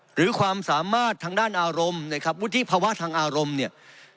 หรือความสามารถทางด้านอารมณ์นะครับวุฒิภาวะทางอารมณ์เนี่ย